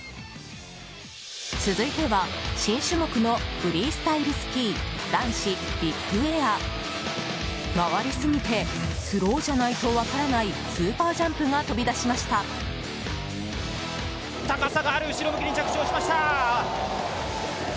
続いては、新種目のフリースタイルスキー男子ビッグエア。回りすぎてスローじゃないと分からないスーパージャンプが飛び出しました。